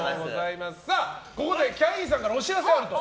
ここでキャインさんからお知らせがあると。